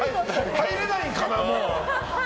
入れないのかな、もう。